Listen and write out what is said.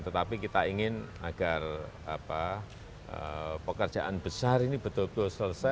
tetapi kita ingin agar pekerjaan besar ini betul betul selesai